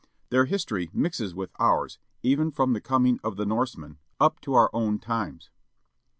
Their history mixes with ours even from the coming of the Norsemen up to our own , If times.